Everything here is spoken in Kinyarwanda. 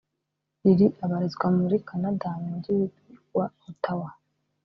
Lily abarizwa muri Canada mu mujyi wa Ottawa